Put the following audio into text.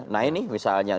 nah ini misalnya